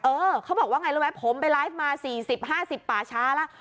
เขาบอกว่าไงรู้ไหมผมไปไลฟ์มา๔๐๕๐ป่าช้าแล้ว